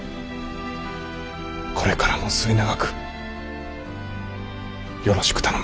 これからも末長くよろしく頼む。